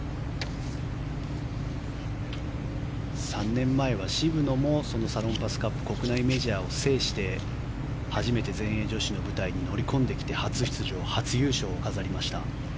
３年前は渋野もそのサロンパスカップ国内メジャーを制して初めて全英女子の舞台に乗り込んできて初出場、初優勝を飾りました。